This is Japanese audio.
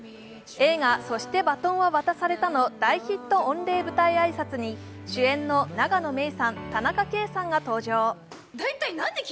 映画「そして、バトンは渡された」の大ヒット御礼舞台挨拶に、主演の永野芽郁さん、田中圭さんが登場。